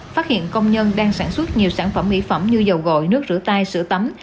phát hiện công nhân đang sản xuất nhiều sản phẩm mỹ phẩm như dầu gội nước rửa tay sữa tắm